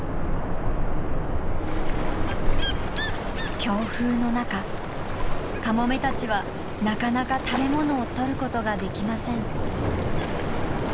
強風の中カモメたちはなかなか食べ物をとることができません。